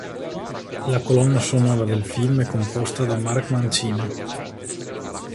La colonna sonora del film è composta da Mark Mancina.